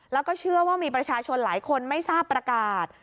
แล้วก็เชื่อว่ามีประชาชนหลายคนไม่ทราบประกาศ